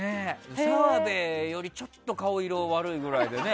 澤部よりちょっと顔色悪いぐらいでね。